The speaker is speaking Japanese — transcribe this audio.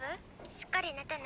しっかり寝てね。